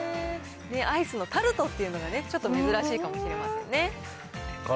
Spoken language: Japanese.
アイスのタルトっていうのがね、ちょっと珍しいかもしれませんね。